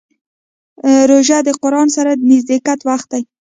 روژه د قرآن سره د نزدېکت وخت دی.